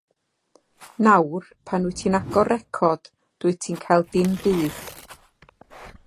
Nawr, pan wyt ti'n agor record, dwyt ti'n cael dim byd.